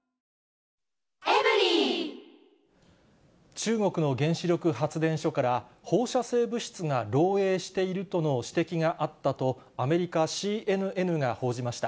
中国の原子力発電所から放射性物質が漏えいしているとの指摘があったと、アメリカＣＮＮが報じました。